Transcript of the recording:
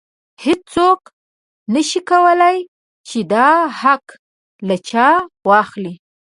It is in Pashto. هیڅوک نشي کولی چې دا حق له چا واخلي.